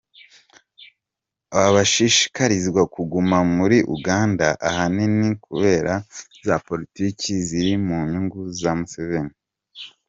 Aba bashishikarizwa kuguma muri Uganda ahanini kubera za politiki ziri mu nyungu za Museveni.